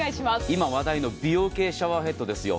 今話題の美容系シャワーヘッドですよ。